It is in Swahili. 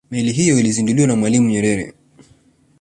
meli hiyo ilizinduliwa na mwalimu nyerere